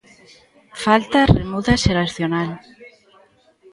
Falta remuda xeracional.